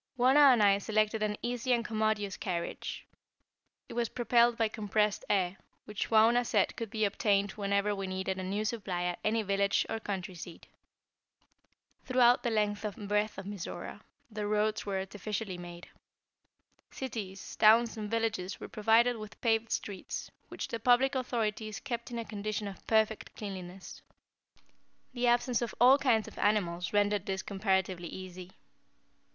Wauna and I selected an easy and commodious carriage. It was propelled by compressed air, which Wauna said could be obtained whenever we needed a new supply at any village or country seat. Throughout the length and breadth of Mizora the roads were artificially made. Cities, towns, and villages were provided with paved streets, which the public authorities kept in a condition of perfect cleanliness. The absence of all kinds of animals rendered this comparatively easy.